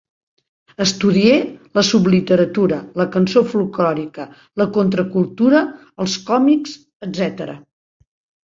Estudie la subliteratura, la cançó folklòrica, la contracultura, els còmics, etcètera.